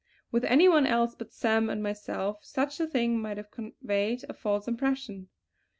With any one else but Sam and myself such a thing might have conveyed a false impression.